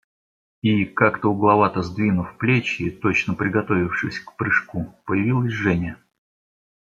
И, как-то угловато сдвинув плечи, точно приготовившись к прыжку, появилась Женя.